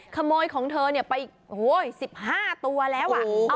ขโมยของเธอไป๑๕ตัวแล้ว